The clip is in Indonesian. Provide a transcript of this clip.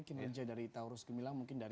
kinerja dari towerus gemilang